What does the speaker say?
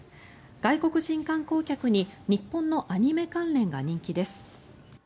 外国人観光客に日本のアニメ関連が人気です。